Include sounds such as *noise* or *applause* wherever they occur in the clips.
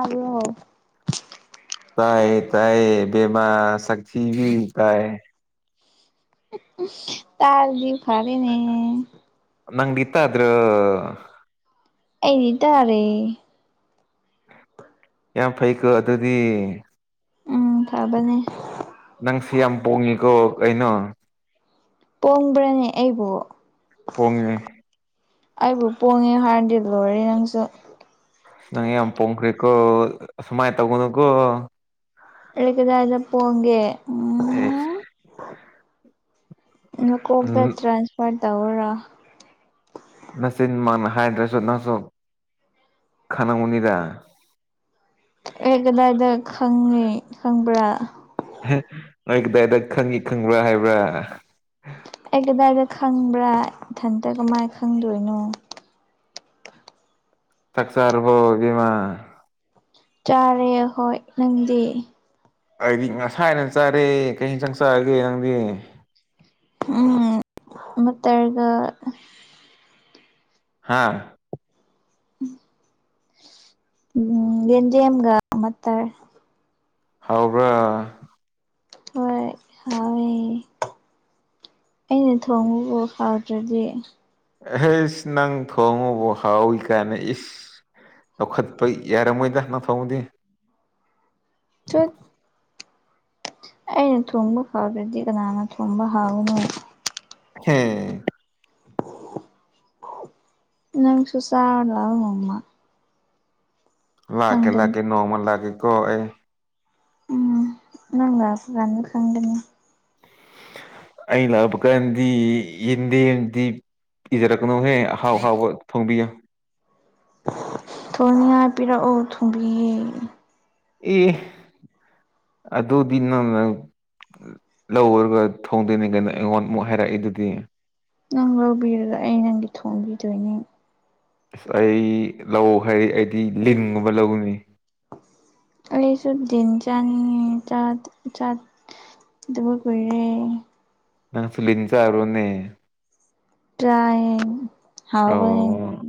ꯑ *unintelligible* *inaudible* ꯇꯥꯏ ꯇꯥꯏ ꯃ ꯁꯛꯤ ꯌ ꯇꯥꯏ ꯇꯗꯤ ꯐꯥꯔꯅꯤ ꯅꯪꯗꯤ ꯏꯠꯇꯗ꯭ꯔ ꯑꯩꯅꯤꯇꯔꯦ ꯌꯥ ꯐꯩꯀ ꯑꯗꯨꯗꯤ ꯎꯝ ꯐꯥꯕꯅꯦ ꯅꯪꯁꯤ ꯌꯥꯝ ꯄꯣꯡꯉꯤꯀꯣ ꯀꯩꯅꯣ ꯄꯣꯡꯕ꯭ꯔꯅꯦ ꯑꯩꯕꯨ ꯄꯉ ꯑꯩꯕꯨ ꯄꯣꯡꯉꯦ ꯍꯥꯟ ꯦꯂꯤꯕꯔꯤ ꯅꯪꯁꯨ ꯅꯪ ꯌꯥꯝ ꯄꯣꯡꯈ꯭ꯔꯦꯀꯣꯁꯨꯨꯃꯥꯏꯅ ꯇꯧꯒꯅꯨꯀꯣ ꯂꯩꯀꯗꯗ ꯄꯒꯦ ꯍꯝ ꯅꯀꯣꯛꯇ ꯇ꯭ꯔꯥꯟꯁꯐꯔ ꯇꯧꯔꯥ ꯅꯆꯤꯟ ꯃꯥꯅ ꯍꯥꯏꯗ꯭ꯔꯁꯨ ꯅꯪꯁꯨ ꯈꯉꯨꯅꯤꯗ ꯑꯦ ꯀꯗꯥꯏꯗ ꯈꯪꯉꯦ ꯈꯪꯕ꯭ꯔꯥ ꯅꯣꯏ ꯀꯗꯥꯏꯗ ꯈꯪꯉꯤ ꯈꯪꯕ꯭ꯔꯥ ꯍꯥꯏꯕ꯭ꯔꯥ ꯑꯩ ꯀꯗꯥꯏꯗ ꯈꯪꯕ꯭ꯔꯥ ꯏꯊꯟꯇ ꯀꯃꯥꯏꯅ ꯈꯪꯗꯣꯏꯅꯣ ꯆꯥꯛ ꯛꯆꯔꯕꯣ ꯕꯤꯃꯥ ꯆꯥꯔꯦ ꯍꯣꯏ ꯅꯪꯗꯤ ꯑꯩꯗꯤ ꯉꯁꯥꯏꯅ ꯆꯥꯔꯦ ꯀꯩ ꯆꯪ ꯆꯑꯒꯦ ꯅꯪꯗꯤ ꯎꯝ ꯑꯃꯠꯇꯔꯒ ꯍꯥꯥ ꯎꯝ ꯌꯦꯗꯦꯝ ꯑꯃꯒ ꯃ ꯍꯥꯎꯕ꯭ꯔꯥ ꯍꯣꯏ ꯍꯥꯑꯣ ꯏ ꯑꯩꯅ ꯊꯣꯡꯕꯕ ꯐꯥꯎꯗ꯭ꯔꯗꯤ ꯑꯩ ꯏꯁ ꯅꯪ ꯊꯣꯡꯉꯕ ꯍꯥꯎꯋꯤ ꯀꯅ ꯏ ꯂꯧꯈꯠꯄ ꯌꯥꯔꯝꯃꯣꯏꯗ ꯅ ꯊꯧꯗꯤ ꯆꯠ ꯑꯩꯅ ꯊꯣꯡꯕ ꯍꯥꯎꯕꯗꯤ ꯀꯅꯥꯅꯣ ꯊꯨꯝꯕ ꯍꯥꯎꯅꯣ ꯍꯝ ꯅꯪ ꯁꯨꯁꯥ ꯂꯉꯃ ꯂꯥꯛꯀ ꯂꯥꯛꯀ ꯅꯣꯡꯃꯅ ꯂꯥꯛꯀ ꯀꯣꯑ ꯎꯝ ꯅꯪꯨꯔꯥꯟꯗꯨ ꯈꯪꯗꯅꯤ ꯑ ꯂꯕ ꯀꯗꯤ ꯌꯦꯗꯤꯗꯤ ꯏꯖꯔꯛꯀꯅꯨꯍꯦ ꯍꯥꯎ ꯍꯥꯎꯕ ꯐꯣꯡꯕꯤꯌ ꯊꯅꯤꯡ ꯍꯥꯏ ꯄꯤꯔꯛꯑꯣ ꯊꯨꯝꯕꯤꯌꯦꯦ ꯑꯦ ꯑꯗꯣꯗꯤꯤꯟ ꯅ ꯂꯧꯔꯒ ꯊꯣꯡꯗꯣꯏꯅꯤ ꯀꯥꯏꯩꯅ ꯑꯩꯉꯣꯟꯗ ꯑꯃꯨꯛ ꯍꯥꯏꯔꯛꯏ ꯑꯗꯨꯗꯤ ꯅꯪ ꯂꯧꯕꯤꯔꯒ ꯑꯩ ꯅꯪꯒꯤ ꯊꯣꯡꯝꯕꯤꯗꯣꯏꯅꯦ ꯑꯁ ꯑꯩ ꯂꯧ ꯍꯥꯏꯔ ꯑꯩꯗꯤ ꯂꯤꯡꯒꯨꯝꯕ ꯂꯧꯒꯅꯤ ꯆ ꯊꯟ ꯆꯅꯤ ꯆꯥꯠ ꯆꯥꯠ ꯗꯕ ꯀꯏꯔꯦ ꯅꯪ ꯐꯂꯤꯅꯤ ꯆꯔꯨꯅꯦꯦ ꯇꯥꯏ ꯍꯥꯎꯕꯅꯤ ꯑꯣ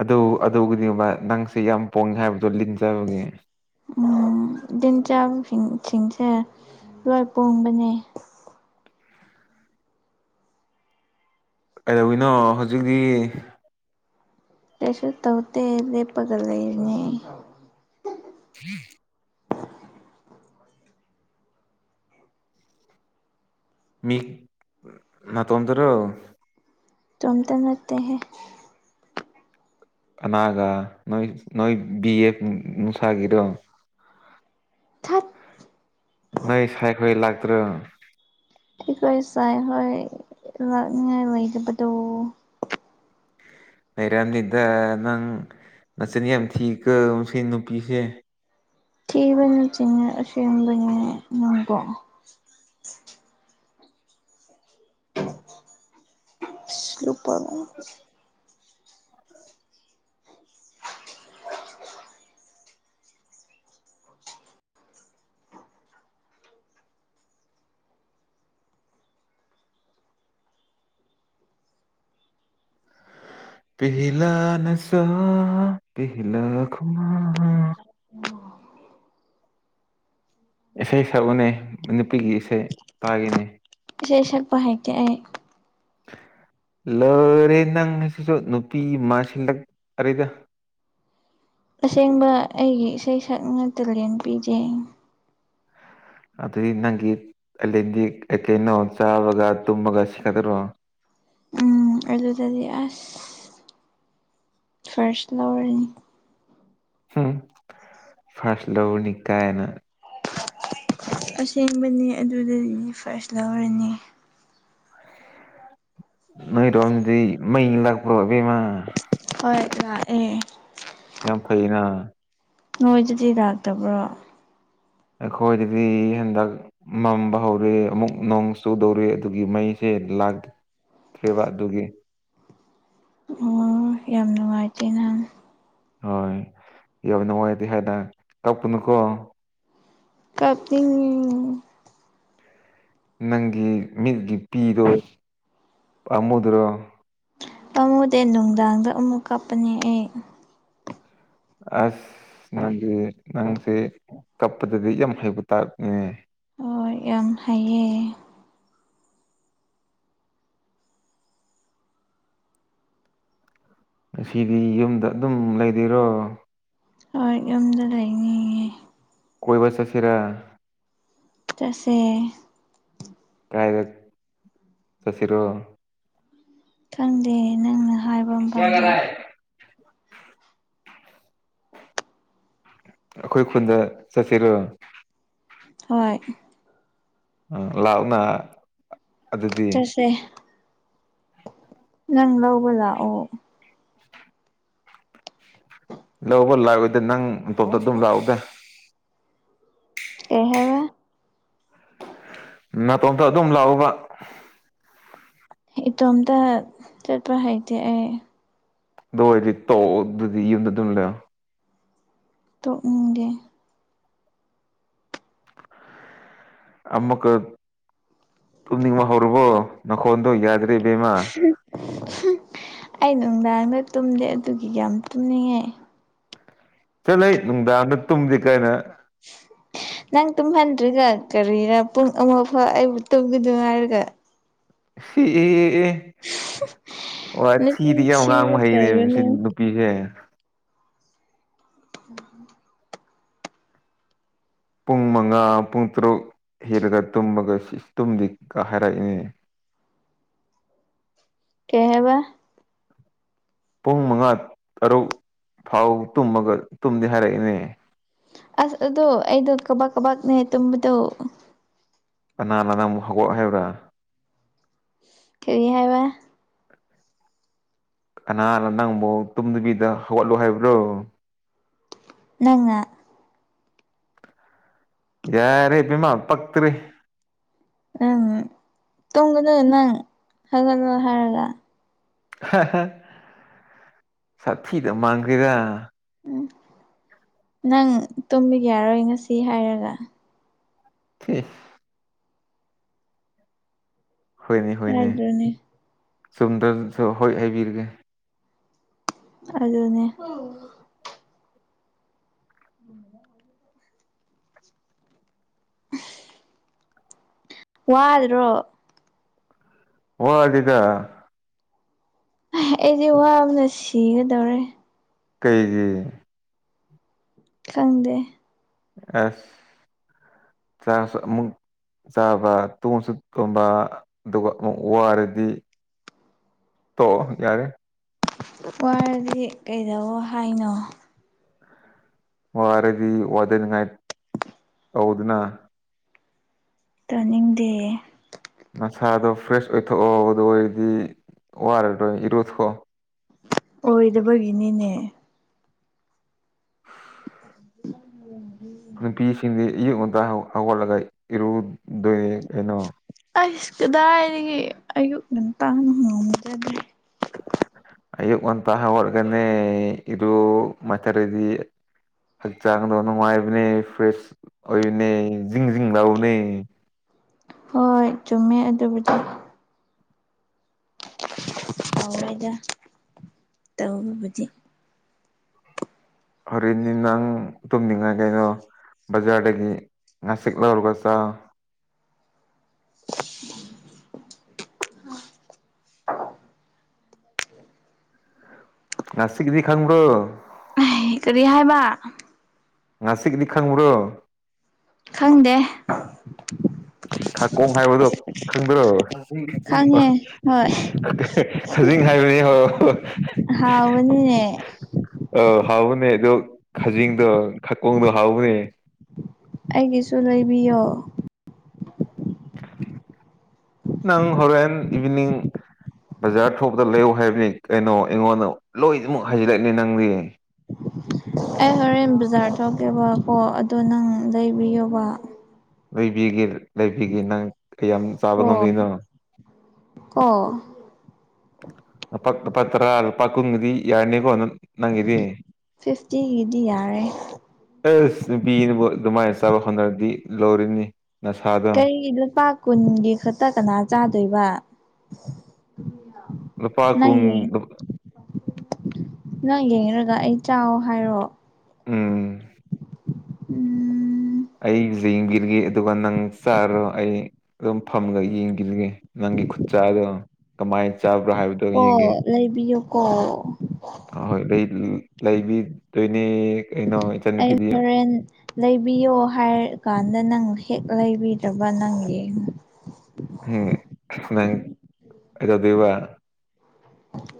ꯑꯗꯨ ꯑꯗꯨꯕꯨꯗꯤꯕ ꯅꯪꯁꯦ ꯌꯥꯝ ꯄꯣꯡꯉꯦ ꯍꯥꯏꯕꯗꯣ ꯂꯤꯟꯖꯕꯒꯤꯦ ꯎꯝ ꯏꯤꯟ ꯆꯥꯡ ꯁꯤꯡꯁꯦ ꯂꯣꯏ ꯄꯣꯡꯕꯅꯦ ꯀꯩꯗꯧꯅꯣ ꯍꯧꯖꯤꯛꯇꯤ ꯇꯁꯨ ꯇꯧꯗ ꯂꯦꯄꯒ ꯂꯩꯅꯤ ꯎꯝ ꯃꯤ ꯃꯥ ꯇꯣꯗꯔ ꯆꯨꯝꯇ ꯂꯩꯠꯇꯍ ꯀꯅꯥꯒꯥ ꯅꯣꯏ ꯅꯣꯏ ꯕꯤ ꯑꯦꯐ ꯅꯨꯡꯁꯥꯒꯤꯗꯣ ꯊꯠ ꯅꯣꯏ ꯁꯥꯏꯈꯣꯏ ꯂꯥꯛꯇ꯭ꯔꯣ ꯏꯈꯣꯏ ꯁꯥꯏ ꯍꯣꯏ ꯂꯥꯛꯅꯤꯉꯥꯏ ꯂꯩꯇꯕꯗꯨꯣ ꯍꯩꯔꯥꯅꯤꯗ ꯅꯪ ꯅꯆꯟ ꯌꯥꯝ ꯊꯤ ꯀ ꯁꯤ ꯅꯨꯄꯤꯁꯦ ꯊꯤꯕ ꯆꯁꯕꯦꯣꯡꯀꯣ ꯅꯨꯄꯥ ꯄꯤꯤꯂ ꯅ ꯁꯥ ꯄꯤꯂ ꯈꯨꯋꯥ ꯏꯁꯩ ꯁꯛꯎꯅꯦ ꯅꯨꯄꯤꯒꯤ ꯏꯁꯩ ꯇꯥꯒꯤꯅꯦ ꯁꯦꯁ ꯄ ꯍꯥꯏ ꯀꯦ ꯑꯩ ꯂꯩꯔꯦ ꯅꯪ ꯉꯁꯤꯁꯨ ꯅꯨꯄꯤ ꯃꯥꯁꯤꯜꯂꯛ ꯑꯔꯤꯗ ꯑꯁꯦꯡꯕ ꯑꯩꯒꯤ ꯏꯁꯩ ꯁꯛꯅ ꯇꯦꯂꯦꯟ ꯄꯤꯖꯩ ꯑꯗꯨꯗ ꯏ ꯅꯪꯒꯦ ꯑꯗꯤ ꯑꯀ ꯏꯩꯅꯣ ꯆꯕꯒ ꯇꯨꯝꯃꯒ ꯁꯤꯈꯗ꯭ꯔꯣ ꯎꯝ ꯑꯂꯨ ꯇꯗꯤ ꯑꯁ ꯐꯔꯁ ꯂꯧꯔꯅꯤ ꯎꯝ ꯐꯁ ꯂꯕꯨꯅꯤꯀꯥ ꯍꯥꯏꯅ ꯑꯁꯦꯡꯕꯅꯤ ꯑꯗꯨꯗꯅꯤ ꯐꯥꯔꯁ ꯂꯧꯔꯅꯤ ꯅꯣꯏꯔꯣꯝꯗꯤ ꯃ ꯂꯥꯛꯄ꯭ꯔꯣꯕꯃ ꯍꯣꯏ ꯂꯥꯛꯑ ꯌꯥꯝ ꯐꯩꯅ ꯅꯣꯏꯗꯨꯗꯤ ꯂꯥꯛꯇꯕ꯭ꯔꯣ ꯑꯩꯈꯣꯏꯗꯗꯤ ꯍꯟꯗꯛ ꯃꯝꯕ ꯍꯧꯔꯦ ꯑꯃꯨꯛ ꯅꯣꯡ ꯆꯨꯗꯧꯔꯦ ꯑꯗꯨꯒꯤ ꯃꯩꯁꯦ ꯂꯥꯛ ꯊ꯭ꯔꯤꯔꯤꯕꯗꯨꯒꯤ ꯑꯣ ꯌꯥꯝ ꯅꯨꯡꯉꯥꯏꯖꯦ ꯅꯍꯪ ꯍꯣꯏ ꯌꯥꯝ ꯅꯨꯡꯉꯥꯏꯔꯗꯤꯦ ꯍꯥꯏꯅ ꯀꯛꯄꯅꯨꯀꯣ ꯀꯞꯇꯤꯡ ꯅꯪꯒꯤ ꯃꯤꯠꯒꯤ ꯄꯤꯔꯣ ꯑꯃꯥꯃꯨꯗ꯭ꯔꯣ ꯄꯥꯃꯨꯗꯤꯦ ꯅꯨꯡꯗꯥꯡꯗ ꯑꯃꯨꯛ ꯀꯥꯞꯄꯅꯦ ꯑꯩ ꯑꯁ ꯅꯪꯗꯤ ꯅꯪꯁꯦ ꯀꯞꯄꯗꯗꯤ ꯌꯥꯝ ꯍꯩꯕ ꯇꯥꯔꯛꯅꯦ ꯍꯣꯏ ꯌꯥꯝ ꯍꯥꯏꯌꯦ ꯑꯁꯤꯗꯤ ꯌꯨꯝꯗ ꯑꯗꯨꯝ ꯂꯩꯔꯤꯔꯣ ꯍꯣꯏ ꯌꯨꯝꯗ ꯂꯩꯅꯤꯌꯦ ꯀꯣꯏꯕ ꯆꯠꯁꯤꯔ ꯆꯁ ꯀꯥꯏꯗ ꯆꯁꯤꯔ ꯈꯪꯗꯦ ꯅꯪꯅ ꯍꯥꯏꯕ ꯑꯃ ꯄꯥꯝꯖ ꯑꯩꯈꯣꯏ ꯑꯩꯈꯣꯏ ꯈꯨꯟꯗ ꯆꯠꯁꯤꯔꯣ ꯍꯣꯏꯣꯏ ꯑ ꯂꯅ ꯆꯁꯦ ꯅꯪ ꯂꯧꯕ ꯂꯥꯛꯑꯣ ꯂꯧꯕ ꯂꯥꯛꯑꯣꯏꯗꯦ ꯅꯪ ꯑꯇꯣꯞꯇ ꯑꯗꯨꯝ ꯂꯥꯛꯎꯗ ꯑꯦꯍꯦꯕ ꯅꯥꯇꯣꯝꯇ ꯑꯗꯨꯝ ꯂꯥꯛꯎꯕ ꯏꯇꯣꯝꯇ ꯆꯠꯄ ꯍꯩꯇꯦ ꯑꯩ ꯗ ꯑꯣꯏꯗꯤ ꯇꯣ ꯑꯗꯨꯗꯤ ꯌꯨꯝꯗ ꯑꯗꯨꯝꯂ ꯇꯣ ꯎꯒꯤꯦ ꯑꯃ ꯀ ꯇꯃ ꯍꯔꯕꯨ ꯅꯀꯣꯟꯗ ꯌꯥꯗꯦ ꯑꯗꯨꯦꯕꯃ ꯑꯩ ꯅꯨꯡꯗꯥꯡꯗ ꯇꯨꯝꯗꯦ ꯑꯗꯨꯒꯤ ꯀ ꯌꯥꯝ ꯇꯨꯝꯅꯤꯡꯉꯦ ꯆꯠꯂ ꯅꯨꯡꯗꯥꯡꯗ ꯇꯨꯝꯗꯤ ꯀꯥꯏꯅ ꯅꯪ ꯇꯨꯝꯍꯟꯗ꯭ꯔꯤꯒ ꯀꯔꯤꯔ ꯄꯨꯡ ꯑꯃꯐꯥꯎ ꯑꯩꯕꯨ ꯇꯨꯝꯕꯤꯗꯣ ꯍꯥꯏꯔꯒ ꯍ ꯑꯦ ꯑꯣ ꯅꯆꯤꯟ ꯁꯤꯤꯗꯤ ꯌꯥꯝ ꯊꯤꯕ ꯉꯥꯡꯕ ꯍꯩꯔꯦ ꯁꯤ ꯇꯧꯒꯅꯨ ꯅꯨꯄꯤꯁꯦ ꯎꯝ ꯄꯨꯡ ꯃꯉꯥ ꯄꯨꯡ ꯇꯔꯨꯛ ꯍꯤꯔꯒ ꯇꯨꯝꯃꯒ ꯇꯨꯝꯗꯤꯒ ꯍꯥꯏꯔꯛꯏꯅꯦ ꯀꯩꯍꯕ ꯄꯨꯡ ꯃꯉꯥ ꯇꯔꯨꯛ ꯐꯥꯎ ꯇꯨꯝꯃꯒ ꯇꯨꯝꯗꯤ ꯍꯥꯏꯔꯛꯏꯅꯦ ꯑꯁ ꯑꯗꯨ ꯑꯩꯗ ꯀꯕꯥ ꯀꯕꯥꯥꯛꯅꯦ ꯇꯨꯝꯗꯨ ꯑꯅꯥ ꯂꯅ ꯑꯃꯨꯛ ꯍꯧꯒꯠ ꯍꯥꯏꯕ꯭ꯔꯥ ꯀꯔꯤ ꯍꯥꯏꯕ ꯀꯅꯥꯅ ꯅꯪꯕꯨ ꯇꯨꯝꯗꯕꯤꯗ ꯍꯧꯒꯠꯂꯨ ꯍꯥꯏꯕ꯭ꯔꯣ ꯅꯪ ꯌꯥꯔꯦ ꯄꯄꯤꯃ ꯄꯛꯇꯔꯤ ꯎꯝ ꯇꯣꯡꯒꯅ ꯅꯪ ꯍꯥꯏꯒꯠꯂꯣ ꯍꯥꯏꯔꯒ ꯁꯥꯊꯤꯗ ꯃꯥꯡꯈꯦꯔꯥ ꯎ ꯅꯪ ꯇꯨꯝꯕꯤꯕ ꯌꯥꯔꯣꯏ ꯉꯁꯤ ꯍꯥꯏꯔꯒ ꯊ ꯍꯣꯏꯅꯦ ꯍꯣꯏꯅꯦ ꯍꯥꯏꯗ꯭ꯔꯣꯅꯦ ꯆꯨꯝꯗꯁꯨ ꯍꯣꯏ ꯍꯥꯏꯕꯤꯔꯒꯦ ꯑꯗꯨꯗꯅꯦ ꯎꯝ *unintelligible* ꯋꯥ ꯑꯗꯨ꯭ꯔꯣ ꯍ ꯑꯗꯨꯗꯗ ꯑꯩꯁꯦ ꯋꯥꯅ ꯁꯤꯒꯗꯧꯔꯦ ꯀꯩꯒꯤ ꯈꯪꯗꯦ ꯑꯁ ꯆꯁꯨ ꯑꯃꯨꯛ ꯆꯥꯕ ꯇꯣꯡꯁꯨ ꯇꯨꯝꯕ ꯑꯗꯨꯒ ꯑꯃꯨꯛ ꯋꯥꯔꯗꯤ ꯇꯣꯛꯑꯣ ꯌꯥꯔꯦ ꯋꯥꯔꯗꯤ ꯀꯩꯗꯧꯋꯣ ꯍꯥꯏꯅꯣ ꯋꯥꯔꯗꯤ ꯋꯥꯗ ꯅꯤꯡꯉꯥꯏ ꯇꯧꯋꯣꯗꯅ ꯇꯥꯅꯤꯡꯗꯦꯌꯦ ꯅꯁꯥꯗꯣ ꯐ꯭ꯔꯦꯁ ꯑꯣꯏꯊꯣꯛꯑꯣ ꯑꯣꯗꯨ ꯑꯣꯏꯔꯗꯤ ꯋꯥꯔꯔꯣꯏ ꯏꯔꯨꯊꯣꯛꯑꯣ ꯑꯣꯏꯗꯕꯒꯤꯅꯤꯅꯦ ꯎꯝ *inaudible* *unintelligible* ꯅꯨꯄꯤꯁꯤꯡꯗꯤ ꯑꯌꯨꯛ ꯉꯟꯇꯥ ꯍꯧ ꯍꯧꯒꯠꯂꯒ ꯏꯔꯨꯗꯣꯏꯅꯦ ꯀꯩꯅꯣ ꯑꯩꯁ ꯀꯗꯥꯏꯗꯒꯤ ꯑꯌꯨꯛ ꯉꯟꯇꯥꯅ ꯉꯝꯖꯗ꯭ꯔꯦ ꯑꯌꯨꯛ ꯉꯟꯇ ꯍꯧꯒꯠꯂꯒꯅꯦ ꯏꯔꯨꯃꯥꯏ ꯔꯗꯤ ꯍꯛꯆꯥꯡꯗꯣ ꯅꯨꯡꯉꯥꯏꯕꯅꯦ ꯐ꯭ꯔꯦꯁ ꯑꯣꯏꯕꯅꯦ ꯖꯤꯡ ꯖꯤꯡ ꯂꯥꯎꯕꯅꯦ ꯍꯣꯏ ꯆꯨꯝꯃꯦ ꯑꯗꯨꯕꯨꯗꯤ ꯍꯥꯎꯋꯦꯗ ꯇꯧꯕꯕꯨꯗꯤ ꯍꯣꯔꯦꯟꯗꯤ ꯅꯪ ꯇꯨꯝꯅꯤꯡꯉꯥꯏ ꯀꯩꯅꯣ ꯕꯖꯥꯔꯗꯒꯤ ꯉꯥꯆꯤꯛ ꯂꯧꯔꯒ ꯆꯥꯎ *inaudible* *unintelligible* ꯉꯆꯤꯛꯇꯤ ꯈꯪꯕ꯭ꯔꯣ ꯍꯦ ꯀꯔꯤ ꯍꯥꯏꯕ ꯉꯆꯤꯛꯇꯤ ꯈꯪꯕ꯭ꯔꯣ ꯈꯪꯗꯦ ꯈꯥꯀꯣꯡ ꯍꯥꯏꯕꯗꯣ ꯈꯪꯗ꯭ꯔꯕ ꯈꯪꯉꯦ ꯍꯣꯏ ꯅꯠꯇꯦ ꯖꯤꯡ ꯍꯥꯏꯕꯅꯦ ꯍꯣ *unintelligible* *inaudible* ꯎꯝꯅꯦ ꯑꯣ ꯍꯥꯎꯕꯅꯦ ꯑꯗꯣ ꯈꯖꯤꯡꯗꯣ ꯈꯀꯣꯡꯗꯣ ꯍꯥꯎꯕꯅꯦ ꯑꯩꯒꯤꯁꯨ ꯂꯩꯕꯤꯌꯣ ꯅꯪ ꯍꯧꯔꯦꯟ ꯏꯚꯤꯅꯤꯡ ꯕꯖꯥꯔ ꯊꯣꯛꯄꯗ ꯂꯩꯌꯣ ꯍꯥꯏꯕꯅꯦ ꯀꯩꯅꯣ ꯑꯩꯉꯣꯟꯗ ꯂꯣꯏꯅꯃꯛ ꯍꯥꯏꯖꯤꯜꯂꯛꯑꯦ ꯅꯪꯗꯤ ꯑꯩ ꯍꯣꯔꯦꯟ ꯕꯖꯥꯔ ꯊꯣꯛꯀꯦꯕ ꯀꯣ ꯑꯗꯣ ꯅꯪ ꯂꯩꯕꯤꯌꯣꯕ ꯂꯩꯕꯤꯒꯦ ꯂꯩꯕꯤꯒꯦ ꯅꯪ ꯀꯌꯥꯝꯃꯨꯛ ꯆꯥꯕ ꯉꯝꯗꯣꯏꯅꯣ ꯑꯣ ꯂꯨꯄꯥ ꯂꯨꯄꯥ ꯇꯔꯥ ꯀꯨꯟꯅꯗꯤ ꯌꯅꯤꯀꯣ ꯅꯪ ꯅꯪꯒꯤꯗꯤ ꯐꯤꯐꯇꯤꯒꯤꯗꯤ ꯌꯥꯔꯦ ꯑꯁ ꯅꯨꯄꯤꯅꯕꯨ ꯑꯗꯨꯃꯥꯏ ꯁ ꯆꯕ ꯍꯧꯅꯔꯗꯤ ꯂꯣꯏꯔꯦꯅꯦ ꯀꯩꯒꯤ ꯂꯨꯄꯥ ꯀꯨꯟꯒꯤ ꯈꯛꯇ ꯀꯅꯥ ꯆꯥꯗꯣꯏꯕ ꯂꯨꯄꯥ ꯀꯨꯟ ꯅꯣꯏꯒꯤ ꯅꯪ ꯌꯦꯡꯔꯒ ꯑꯦ ꯆꯥꯎ ꯍꯥꯏꯔꯣ ꯎꯝ ꯎꯝ ꯑꯩ ꯖꯦꯡꯕꯤꯔꯒꯦ ꯑꯗꯨꯒ ꯅꯪ ꯆꯥꯔꯣ ꯑꯩ ꯑꯗꯨꯝ ꯐꯝꯃꯒ ꯌꯦꯡꯕꯤꯔꯒꯦ ꯅꯪ ꯒꯤ ꯈꯨꯨꯠꯆꯥꯥꯗꯣ ꯀꯃꯥꯏ ꯀꯣ ꯂꯩꯕꯤꯌꯨ ꯀꯣ ꯍꯣꯏ ꯍꯣꯏ ꯂꯩ ꯂꯩ ꯂꯩꯕꯤ ꯗꯣꯏꯅꯦ ꯑꯩ ꯍꯣꯔꯦꯟ ꯂꯩꯕꯤꯌꯣ ꯍꯥꯏꯔꯥ ꯀꯥꯟ ꯗ ꯅꯪ ꯍꯦꯛ ꯂꯩꯕꯤꯗꯕ ꯅꯪ ꯋꯦꯡꯉꯣ ꯍꯝ ꯅꯪ ꯀꯩꯗꯧꯗꯣꯏꯕ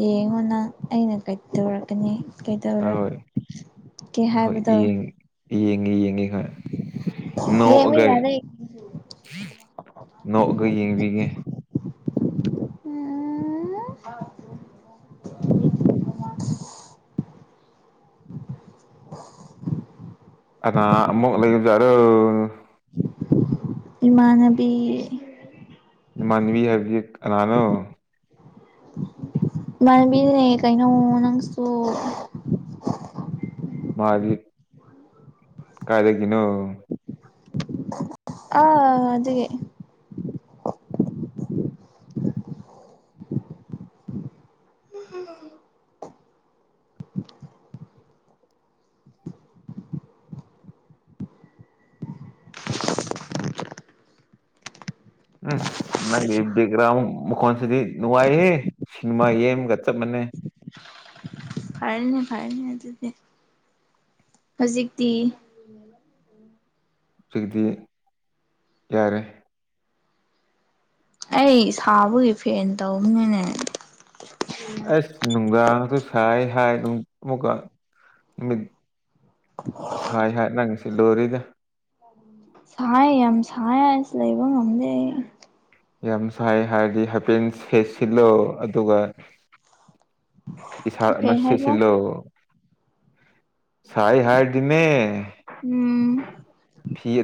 ꯌꯦꯡꯉꯣ ꯅꯪ ꯑꯩꯅ ꯀꯩꯗꯧꯔꯛꯀꯅꯤ ꯍꯣꯏ ꯍꯣꯏ ꯀꯩꯗꯧꯔꯀꯦ ꯍꯥꯏꯕꯗꯣ ꯌꯦꯉꯤ ꯌꯦꯡꯉꯤ ꯌꯦꯡꯕ ꯅꯒꯦ ꯌꯥꯔꯦ ꯅꯣꯛꯑꯒ ꯌꯦꯡꯕꯤꯉꯦ ꯎ *unintelligible* ꯑ ꯑꯃꯛ ꯂꯩꯖꯔ ꯏꯃꯥꯟꯕꯤ ꯃꯅꯕꯤ ꯍꯥꯏꯕꯗꯤ ꯑꯅꯅꯣ ꯃꯔꯃꯤꯅꯦ ꯀꯩꯅꯣ ꯅꯪꯁꯨ ꯃꯥꯒꯤ ꯀꯥꯏꯗꯗꯒꯤꯅꯣ ꯑꯥ ꯑꯗꯨ ꯎꯝ ꯅꯪ ꯦꯛꯦꯛꯒ꯭ꯔꯥꯎꯟ ꯃꯈꯣꯟꯁꯤꯗꯤ ꯅꯅꯨꯡꯉꯥꯏꯦ ꯁꯤꯃꯥ ꯌꯦꯝꯒꯠꯇꯞ ꯃꯅꯤ ꯍ ꯐꯔꯅꯦ ꯐꯔꯅꯦ ꯑꯗꯨꯗꯤ ꯍꯧꯖꯤꯛꯇꯤ ꯁꯤꯗꯤ ꯌꯥꯔꯦ ꯑꯩ ꯁꯥꯕꯒꯤ ꯐꯦꯟ ꯇꯧꯕꯅꯤꯅꯦ ꯑꯁ ꯅꯨꯡꯗꯥꯡꯁꯨ ꯁꯥꯏ ꯍꯥꯏ ꯑꯃꯨꯛꯀ ꯅꯨꯃꯤꯠ ꯁꯥꯏ ꯍꯥꯏ ꯅꯪꯁꯤ ꯂꯣꯏꯔꯤꯗ ꯁꯥꯏ ꯌꯥꯝ ꯁꯥꯏ ꯑꯁ ꯂꯩꯕ ꯉꯝꯗꯦ ꯌꯥꯝ ꯁꯥꯏ ꯍꯥꯏꯔꯗꯤ ꯍꯦꯄꯤꯦꯟ ꯍꯦꯠ ꯁꯤꯜꯂꯣ ꯑꯗꯨꯒ ꯏꯁ ꯀꯩ ꯃꯁ ꯍꯥꯏꯕ ꯁꯤ ꯁꯏ ꯍꯔꯗꯤꯅꯦ ꯎꯝ ꯐꯤ